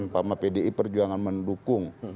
empama pdi perjuangan mendukung